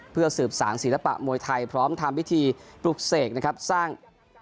เพื่อสืบสารศิลปะมวยไทยพร้อมทำพิธีปลุกเสกนะครับสร้าง